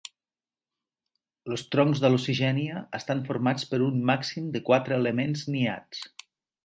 Els troncs d'"Hallucigenia" estan formats per un màxim de quatre elements niats.